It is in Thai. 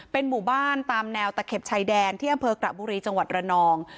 เป็นหมู่บ้านตามแนวตะเข็บชายแดนที่อำเภอกระบุรีจังหวัดระนอง